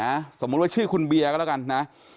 ก็ซมมูลว่าชื่อคุณแบร์ก็แล้วกันนะ